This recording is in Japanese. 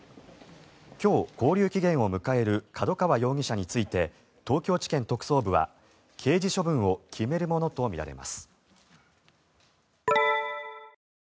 今日、勾留期限を迎える角川容疑者について東京地検特捜部は刑事処分を決めるものとみられます。